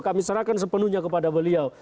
kami serahkan sepenuhnya kepada beliau